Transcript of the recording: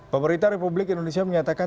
pemerintah republik indonesia menyatakan